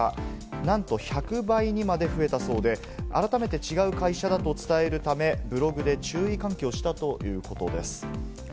なんと１００倍にまで増えたそうで、改めて違う会社だと伝えるため、ブログで注意喚起をしたということです。